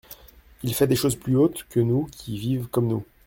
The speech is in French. Il fait des choses plus hautes que nous qui vivent comme nous.